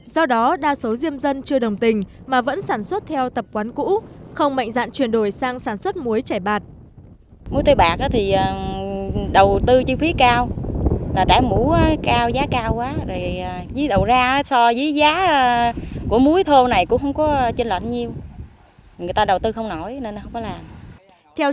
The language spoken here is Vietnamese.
do đó đa số diêm dân chưa đồng tình mà vẫn sản xuất muối sạch muối chảy bạc của địa phương đang gặp nhiều khó khăn